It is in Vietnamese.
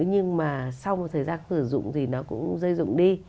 nhưng mà sau một thời gian sử dụng thì nó cũng dây rụng đi